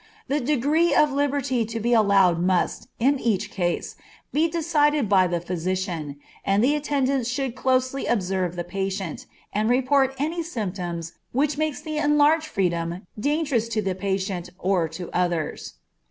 The degree of liberty to be allowed must, in each case, be decided by the physician, and the attendants should closely observe the patient, and report any symptoms which makes the enlarged freedom dangerous to the patient or to others.